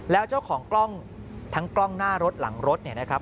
แล้วเจ้าของกล้องทั้งกล้องหน้ารถหลังรถเนี่ยนะครับ